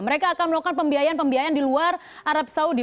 mereka akan melakukan pembiayaan pembiayaan di luar arab saudi